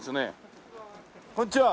こんにちは。